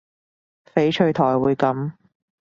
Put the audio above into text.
翡翠台會噉